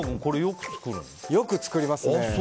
よく作りますね。